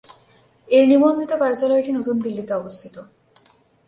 এর নিবন্ধিত কার্যালয়টি নতুন দিল্লিতে অবস্থিত।